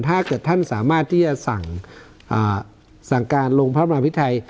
ถ้าเกิดท่านสามารถที่จะสั่งอ่าสั่งการลงพระบาทพิทธิ์ไทย